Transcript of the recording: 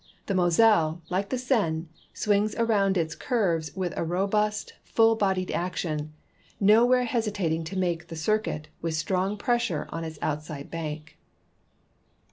The Moselle, like the Seine, swings around its curves with a robust, full bodied action, nowhere hesitating to make the circuit with strong pressure on its outside bank.